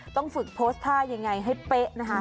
ต้องฝึกโพสต์ท่ายังไงให้เป๊ะนะคะ